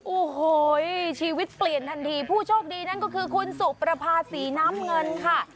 โอ้โหชีวิตเปลี่ยนทันทีผู้โชคดีนั่นก็คือคุณสุประภาษีน้ำเงินค่ะ